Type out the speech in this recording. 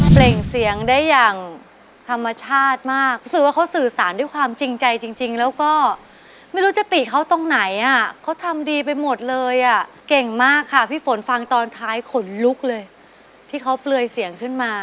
เปล่งเสียงได้อย่างธรรมชาติมากรู้สึกว่าเขาสื่อสารด้วยความจริงใจจริงแล้วก็ไม่รู้จะติเขาตรงไหนอ่ะเขาทำดีไปหมดเลยอ่ะเก่งมากค่ะพี่ฝนฟังตอนท้ายขนลุกเลยที่เขาเปลือยเสียงขึ้นมา